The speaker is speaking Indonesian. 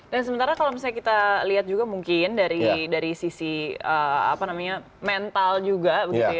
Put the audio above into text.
dan sementara kalau misalnya kita lihat juga mungkin dari sisi mental juga